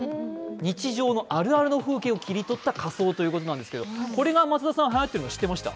日常のあるあるの風景を切り取った仮装ということなんですけどこれがはやってるの、知ってました？